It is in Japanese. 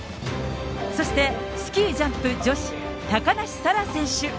そして、スキージャンプ女子、高梨沙羅選手。